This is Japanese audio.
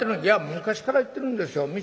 「いや昔から言ってるんですよ。